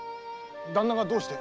旦那がどうして？